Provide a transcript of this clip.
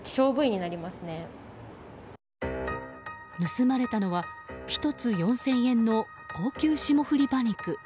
盗まれたのは１つ４０００円の高級霜降り馬肉。